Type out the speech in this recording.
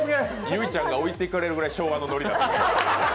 ゆいちゃんが置いていかれるぐらい、昭和のノリだ。